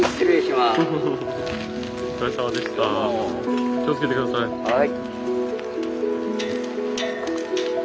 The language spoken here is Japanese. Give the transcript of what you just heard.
はい。